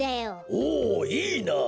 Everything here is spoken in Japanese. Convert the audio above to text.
おおいいなあ。